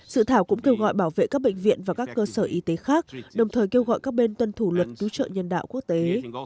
sự thảo cũng kêu gọi bảo vệ các bệnh viện và các cơ sở y tế khác đồng thời kêu gọi các bên tuân thủ luật cứu trợ nhân đạo quốc tế